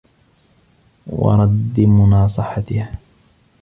وَرَدِّ مُنَاصَحَتِهَا